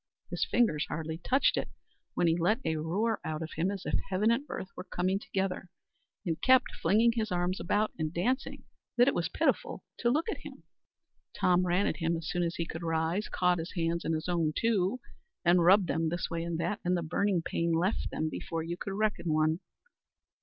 His fingers hardly touched it, when he let a roar out of him as if heaven and earth were coming together, and kept flinging his arms about and dancing, that it was pitiful to look at him. Tom ran at him as soon as he could rise, caught his hands in his own two, and rubbed them this way and that, and the burning pain left them before you could reckon one.